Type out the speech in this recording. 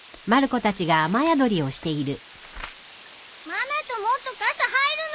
ママともっと傘入るの。